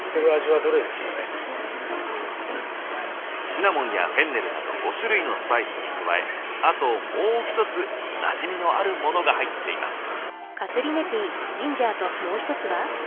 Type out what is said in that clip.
シナモンやフェンネルなど５種類のスパイスに加えあともう一つなじみのあるモノが入っています。